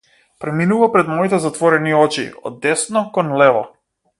Преминува пред моите затворени очи од десно кон лево.